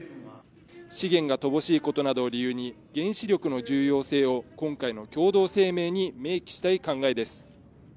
資源が乏しいことなどを理由に、原子力の重要性を、今回の共同声明に明記したい考えです。